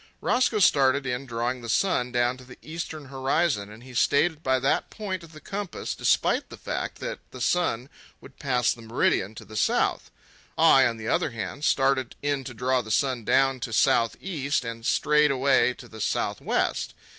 Roscoe started in drawing the sun down to the eastern horizon, and he stayed by that point of the compass despite the fact that the sun would pass the meridian to the south. I, on the other hand, started in to draw the sun down to south east and strayed away to the south west.